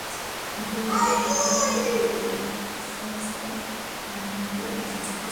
এটির জেলা সদর ও প্রশাসনিক দপ্তর রয়েছে হামিরপুর শহরে।